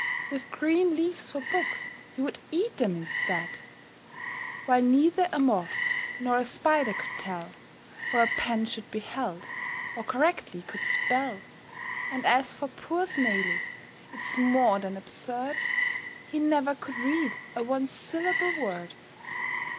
With green leaves for books, he would eat them instead; While neither a Moth nor a Spider could tell How a pen should be held, or correctly could spell. And as for poor Snailey, it's more than absurd, He never could read a one syllable word!